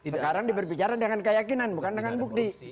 sekarang diberbicara dengan keyakinan bukan dengan bukti